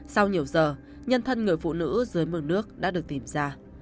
sau nhiều giờ nhân thân người phụ nữ dưới mương nước đã được tìm ra